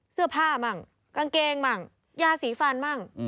เสื้อผ้าบ้างกางเกงบ้างยาสีฟันบ้าง